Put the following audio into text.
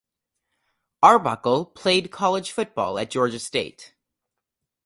Arbuckle played college football at Georgia State.